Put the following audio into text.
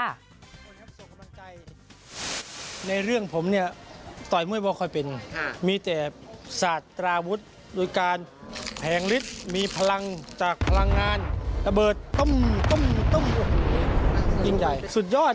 ยิ่งใจสุดยอดเรื่องนี้สุดยอด